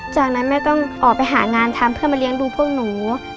จากนั้นแม่ต้องออกไปหางานทำเพื่อมาเลี้ยงดูพวกหนู